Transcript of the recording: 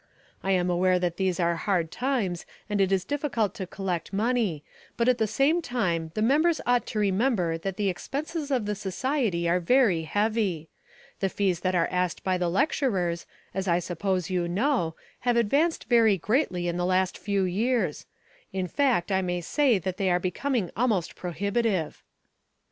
I am aware that these are hard times and it is difficult to collect money but at the same time the members ought to remember that the expenses of the society are very heavy. The fees that are asked by the lecturers, as I suppose you know, have advanced very greatly in the last few years. In fact I may say that they are becoming almost prohibitive."